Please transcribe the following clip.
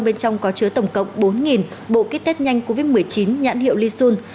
bên trong có chứa tổng cộng bốn bộ kit test nhanh covid một mươi chín nhãn hiệu lisun